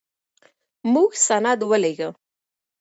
موږ سند ولېږه.